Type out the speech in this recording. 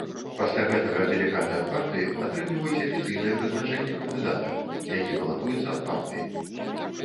Пасля гэтага дэлегаты ад партыі атрымліваюць афіцыйнае прызначэнне кандыдата, які балатуецца ад партыі.